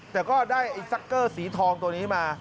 แต่ก็ได้ไอ้ซักเกอร์สีทองตัวนี้มา